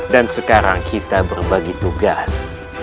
dan sekarang kita berbagi tugas